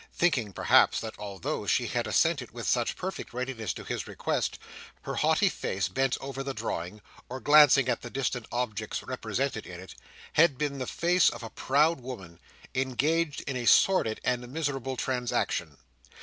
Thinking, perhaps, that although she had assented with such perfect readiness to his request, her haughty face, bent over the drawing, or glancing at the distant objects represented in it, had been the face of a proud woman, engaged in a sordid and miserable transaction.